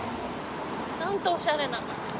何とおしゃれな。